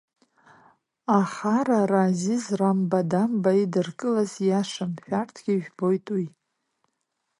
Ахарара Азиз Рамбадамба идыркылаз иашам, шәарҭгьы ижәбоит уи…